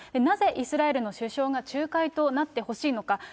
なぜイスラエルの首相が仲介となってほしいのか。